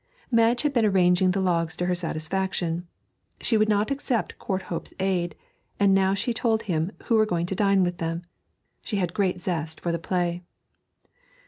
Madge had been arranging the logs to her satisfaction, she would not accept Courthope's aid, and now she told him who were going to dine with them. She had great zest for the play.